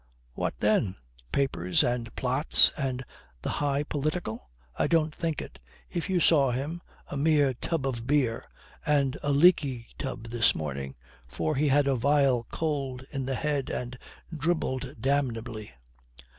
"What then? Papers and plots and the high political? I don't think it. If you saw him a mere tub of beer and a leaky tub this morning, for he had a vile cold in the head and dribbled damnably."